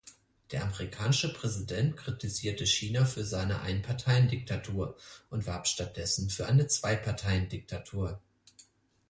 Der amerikanische Präsident kritisierte China für seine Einparteiendiktatur und warb stattdessen für eine Zweiparteiendiktatur.